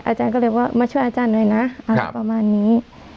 อาจารย์ก็เลยว่ามาช่วยอาจารย์หน่อยนะอะไรประมาณนี้